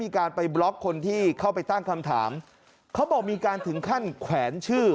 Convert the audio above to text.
คนที่เข้าไปตั้งคำถามเขาบอกมีการถึงขั้นแขวนชื่อ